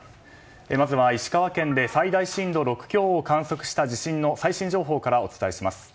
まずは石川県で最大震度６強を観測した地震の最新情報からお伝えします。